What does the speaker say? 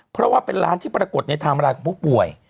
เพราะว่าเป็นร้านที่ปรากฏในทางบันดาลกรณ์ของผู้ป่วย